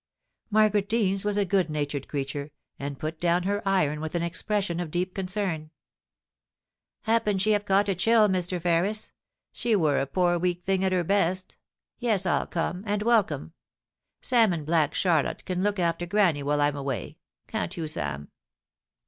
* Margaret Deans was a good natured creature, and put down her iron with an expression of deep concern. ' Happen she have caught a chill, Mr. Ferris. She were a poor weak thing at her best Yes, 1*11 come, and welcome. Sam and Black Charlotte can look after Granny while I'm away ; can't you, Sam